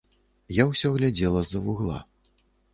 Я ўсё глядзела з-за вугла.